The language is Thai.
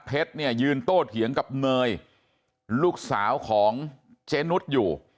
เนี่ยยืนโต้เถียงกับเนยลูกสาวของเจนุสอยู่